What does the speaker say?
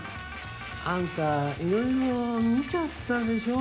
あんたいろいろ見ちゃったでしょ？